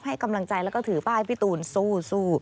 ให้กำลังใจแล้วก็ถือป้ายพี่ตูนสู้